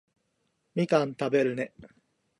みかん食べるね